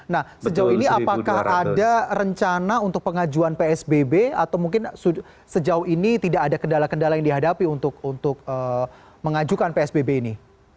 nah sejauh ini apakah ada rencana untuk pengajuan psbb atau mungkin sejauh ini tidak ada kendala kendala yang dihadapi untuk mengajukan psbb ini